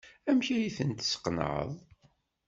Amek ay ten-tesqenɛeḍ?